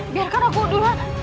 biarkan aku dulu